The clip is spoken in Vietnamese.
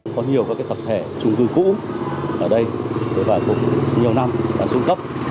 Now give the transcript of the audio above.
có nhiều các tập thể chung cư cũ ở đây và cũng nhiều năm đã xuống cấp